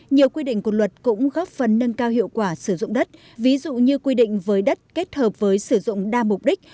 nhiều quy định của luật cũng góp phần nâng cao hiệu quả sử dụng đất ví dụ như quy định với đất kết hợp với sử dụng đa mục đích